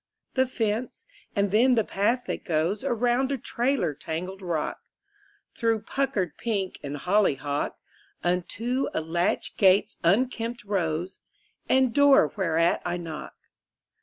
The fence; and then the path that goes Around a trailer tangled rock, Through puckered pink and hollyhock, Unto a latch gate's unkempt rose, And door whereat I knock.